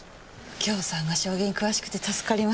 右京さんが将棋に詳しくて助かります。